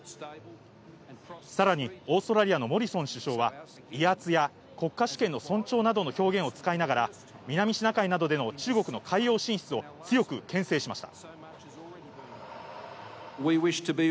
さらにオーストラリアのモリソン首相は、威圧や国家主権の尊重などの表現を使いながら、南シナ海などでの中国の海洋進出を強くけん制しました。